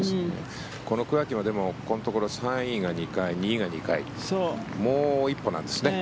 この桑木もここのところ３位が２回、２位が２回もう一歩なんですよね。